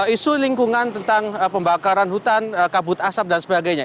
isu lingkungan tentang pembakaran hutan kabut asap dan sebagainya